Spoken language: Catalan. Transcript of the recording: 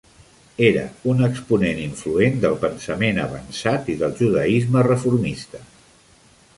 Era un exponent influent del pensament avançat i del judaisme reformista.